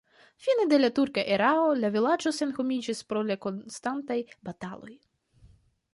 Fine de la turka erao la vilaĝo senhomiĝis pro la konstantaj bataloj.